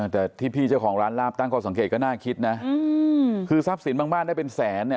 แต่ที่พี่เจ้าของร้านลาบตั้งข้อสังเกตก็น่าคิดนะคือทรัพย์สินบางบ้านได้เป็นแสนเนี่ย